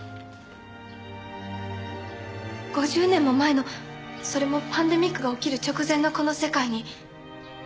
５０年も前のそれもパンデミックが起きる直前のこの世界に。